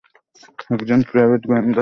একজন প্রাইভেট গোয়েন্দা।